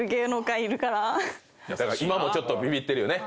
今もちょっとビビってるよね。